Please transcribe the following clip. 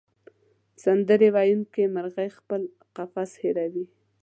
سندرې ویونکې مرغۍ خپل قفس هېروي.